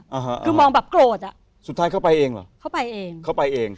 อ่าฮะคือมองแบบโกรธอ่ะสุดท้ายเข้าไปเองเหรอเข้าไปเองเข้าไปเอง